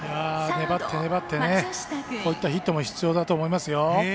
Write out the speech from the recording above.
粘って、粘ってこういったヒットも必要だと思いますよ。